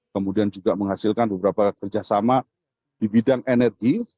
kemudian juga menghasilkan beberapa kerjasama di bidang energi